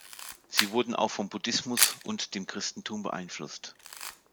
Sie wurden auch vom Buddhismus und dem Christentum beeinflusst.